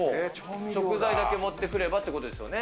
食材だけ持ってくればっていうことですよね。